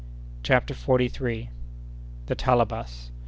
CHAPTER FORTY THIRD. The Talabas.